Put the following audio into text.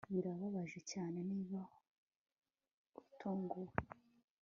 Birababaje cyane niba utunguwe